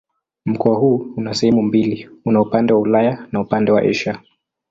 Mkoa huu una sehemu mbili: una upande wa Ulaya na upande ni Asia.